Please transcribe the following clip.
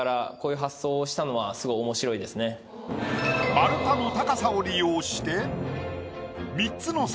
丸太の高さを利用して。